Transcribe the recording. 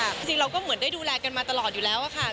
จริงเราก็เหมือนได้ดูแลกันมาตลอดอยู่แล้วค่ะ